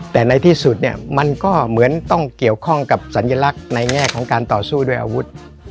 แต่ในที่สุดเนี่ยมันก็เหมือนต้องเกี่ยวข้องกับสัญลักษณ์ในแง่ของการต่อสู้ด้วยอาวุธ